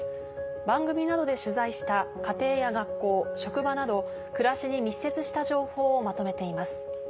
番組などで取材した家庭や学校職場など暮らしに密接した情報をまとめています。